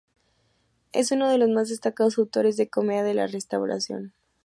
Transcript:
Es uno de los más destacados autores de comedia de la Restauración.